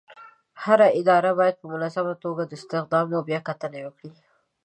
هره اداره باید په منظمه توګه د استخدام بیاکتنه وکړي.